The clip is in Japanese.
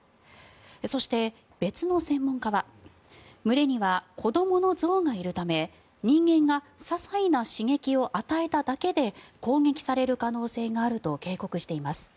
そして、別の専門家は群れには子どもの象がいるため人間がささいな刺激を与えただけで攻撃される可能性があると警告しています。